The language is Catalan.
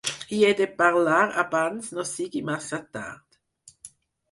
Hi he de parlar abans no sigui massa tard.